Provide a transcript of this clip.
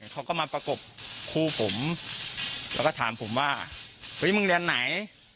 เขาก็มาประกบครูผมแล้วก็ถามผมว่าเฮ้ยมึงเรียนไหน